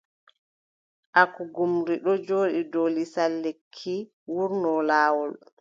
Agugumri ɗon jooɗi dow lisal lekki yuurno laawol.